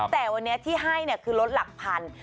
แต่วันนี้ที่ให้คือลดหลักพัน